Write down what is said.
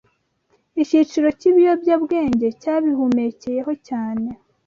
icyiciro cyibiyobyabwenge cyabihumekeyeho cyane